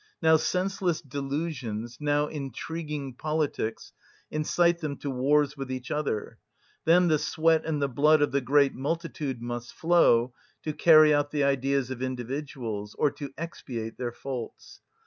Now senseless delusions, now intriguing politics, incite them to wars with each other; then the sweat and the blood of the great multitude must flow, to carry out the ideas of individuals, or to expiate their faults.